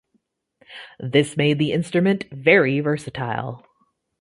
This made the instrument very versatile.